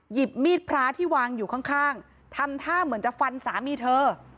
หยิบมีดพระที่วางอยู่ข้างทำท่าเหมือนจะฟันสามีเธอ